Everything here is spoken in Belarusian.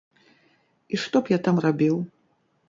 І што б я там рабіў?